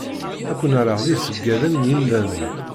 Ad ken-rreɣ d iṣeggaden n yemdanen.